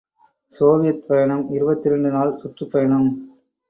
● Soviet பயணம் இருபத்திரண்டு நாள் சுற்றுப் பயணம்.